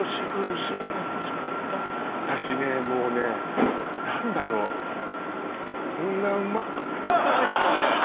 私ねもうね何だろううまいっすよね